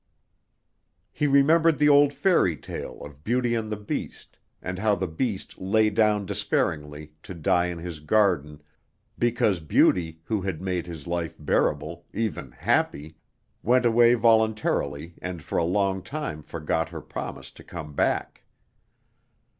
He remembered the old fairy tale of Beauty and the Beast, and how the Beast lay down despairingly, to die in his garden, because Beauty, who had made his life bearable, even happy, went away voluntarily and for a long time forgot her promise to come back.